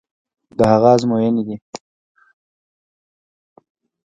د هغه ازموینې دي.